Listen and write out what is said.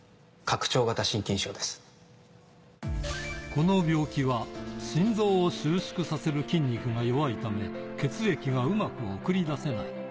この病気は、心臓を収縮させる筋肉が弱いため、血液がうまく送り出せない。